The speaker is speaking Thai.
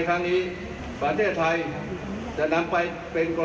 เตรียมรับเปลืองกับภัยพิบัตร